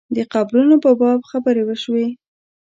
د قبرونو په باب خبرې وشوې.